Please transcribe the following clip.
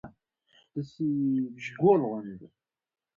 ژورې سرچینې د افغانستان د ټولنې لپاره بنسټيز رول لري.